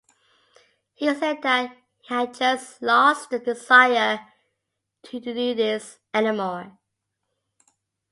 He said that he had just lost the desire to do this anymore.